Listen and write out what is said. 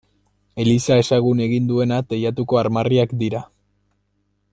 Eliza ezagun egin duena teilatuko armarriak dira.